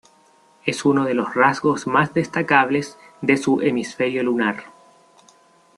Es uno de los rasgos más destacables de su hemisferio lunar.